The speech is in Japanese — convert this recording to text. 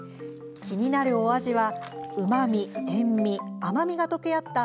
気になるお味はうまみ、塩み、甘みが溶け合った